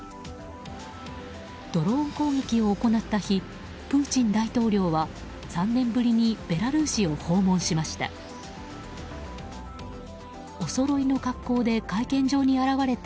ドローン攻撃を行った日プーチン大統領は３年ぶりにベラルーシを訪問しました。